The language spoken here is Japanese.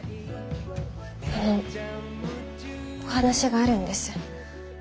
あのお話があるんです。